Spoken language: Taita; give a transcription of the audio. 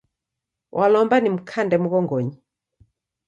Walomba nimkande mghongonyi